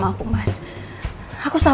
mas ini udah selesai